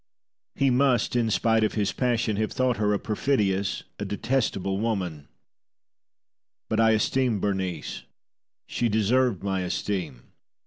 He must, in spite of his passion, have thought her a perfidious, a detestable woman. But I esteemed Berenice; she deserved my esteem.